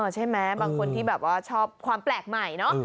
ใช่ไหมบางคนที่แบบว่าชอบความแปลกใหม่เนาะ